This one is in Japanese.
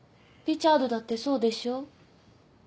リチャードだってそうでしょ？